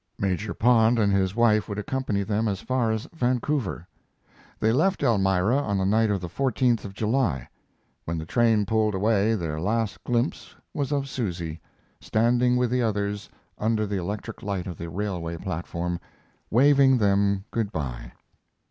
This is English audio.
Major Pond and his wife would accompany them as far as Vancouver. They left Elmira on the night of the 14th of July. When the train pulled away their last glimpse was of Susy, standing with the others under the electric light of the railway platform, waving them good by.